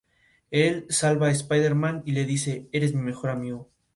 Él salva a Spider-Man y le dice: "Eres mi mejor amigo".